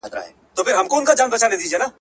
ولي ښوونکي باید په ټولنه کي لوړ درناوی ولري؟